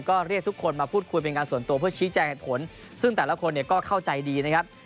ก็เรียกทุกคนมาพูดคุยเป็นการส่วนตัวเพื่อชี้แจงเหตุผลซึ่งแต่ละคนเนี่ยก็เข้าใจดีนะครับ